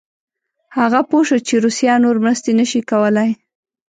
هغه پوه شو چې روسیه نور مرستې نه شي کولای.